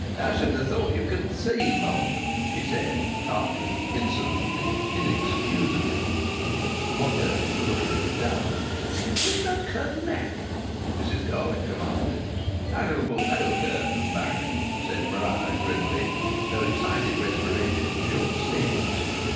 "I should ha' thought you could see, mum," she said tartly, insolently, inexcusably. One curtain was already down. "Put that curtain back," Mrs Garlick commanded. "I shall put no curtain back!" said Maria, grimly; her excited respiration shook the steps.